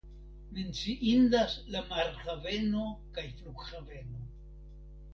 Menciindas la marhaveno kaj flughaveno.